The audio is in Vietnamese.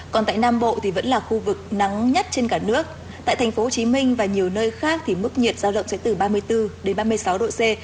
còn tại nam bộ thì vẫn là khu vực nắng nhất trên cả nước tại tp hcm và nhiều nơi khác thì mức nhiệt giao động sẽ từ ba mươi bốn đến ba mươi sáu độ c